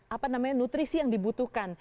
apa namanya nutrisi yang dibutuhkan